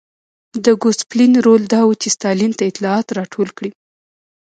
د ګوسپلین رول دا و چې ستالین ته اطلاعات راټول کړي